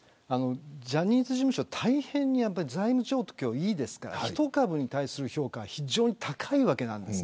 ジャニーズ事務所は大変に財務状況がいいですから１株に対する評価は非常に高いわけなんです。